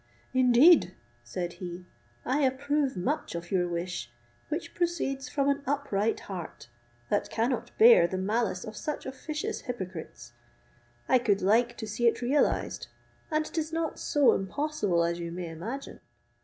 "Indeed," said he, "I approve much of your wish, which proceeds from an upright heart, that cannot bear the malice of such officious hypocrites; I could like to see it realized, and it is not so impossible as you may imagine.